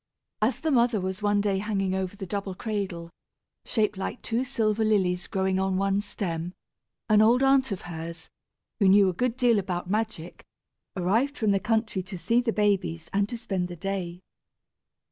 As the mother was one day hanging over the double cradle, shaped like two silver lilies growing on one stem, an old aunt of hers, who knew a good deal about magic, arrived from the country to see the babies and to spend the day.